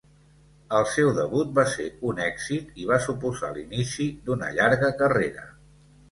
El seu debut va ser un èxit i va suposar l'inici d'una llarga carrera.